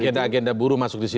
agenda agenda buruh masuk di situ